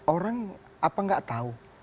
orang apa nggak tahu